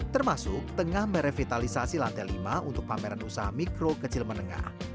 termasuk tengah merevitalisasi lantai lima untuk pameran usaha mikro kecil menengah